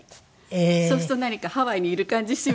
そうすると何かハワイにいる感じしますよね。